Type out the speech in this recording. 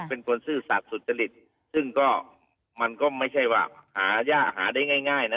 เป็นคนสื่อสารสุจริตซึ่งก็มันก็ไม่ใช่ว่าหายากหาได้ง่ายง่ายน่ะ